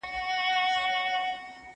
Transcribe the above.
زه ونې ته اوبه نه ورکوم؟